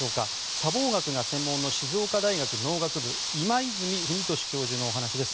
砂防学が専門の静岡大学農学部今泉文寿教授のお話です。